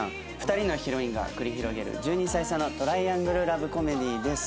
２人のヒロインが繰り広げる１２歳差のトライアングルラブコメディーです。